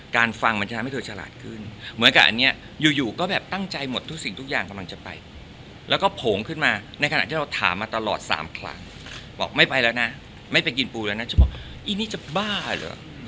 ฟังมันจะทำให้เธอฉลาดขึ้นเหมือนกับอันนี้อยู่อยู่ก็แบบตั้งใจหมดทุกสิ่งทุกอย่างกำลังจะไปแล้วก็โผงขึ้นมาในขณะที่เราถามมาตลอดสามครั้งบอกไม่ไปแล้วนะไม่ไปกินปูแล้วนะฉันบอกอีนี่จะบ้าเหรอ